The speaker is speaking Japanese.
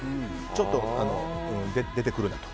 ちょっと、出てくるなと。